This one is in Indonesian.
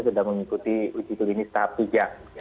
sudah mengikuti uji klinis tahap tiga